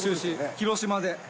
広島で。